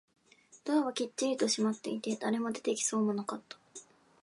ドアはきっちりと閉まっていて、誰も出てきそうもなかった